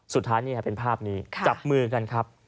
สุดท้ายนี่เป็นภาพนี้จับมือกันครับ